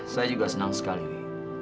saya juga senang sekali